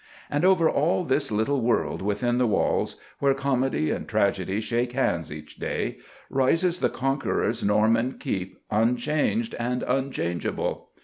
And over all this little world within the walls, where comedy and tragedy shake hands each day, rises the Conqueror's Norman keep unchanged and unchangeable.